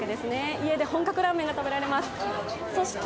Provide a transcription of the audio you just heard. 家で本格ラーメンが食べられます。